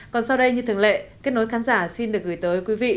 còn sau đây như thường lệ kết nối khán giả xin được gửi tới quý vị